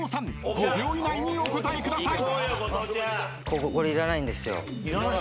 ［５秒以内にお答えください］